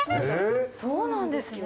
そうなんですね。